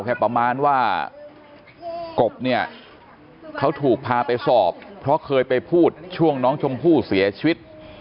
แค่ประมาณว่ากบเนี่ยเขาถูกพาไปสอบเพราะเคยไปพูดช่วงน้องชมพู่เสียชีวิต